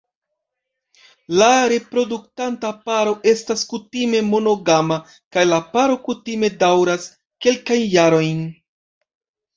La reproduktanta paro estas kutime monogama, kaj la paro kutime daŭras kelkajn jarojn.